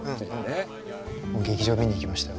劇場見に行きましたよ。